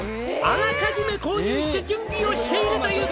「あらかじめ購入して準備をしているという」